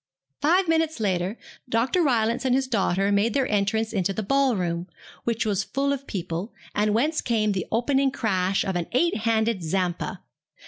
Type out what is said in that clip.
Five minutes later Dr. Rylance and his daughter made their entrance into the ball room, which was full of people, and whence came the opening crash of an eight handed 'Zampa.'